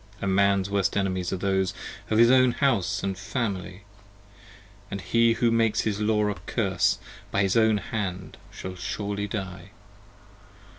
A man's worst enemies are those Of his own house & family; ioo And he who makes his law a curse, By his own hand shall surely die.